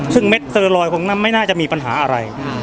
ซึ่งเม็ดเซอร์ลอยคงนั้นไม่น่าจะมีปัญหาอะไร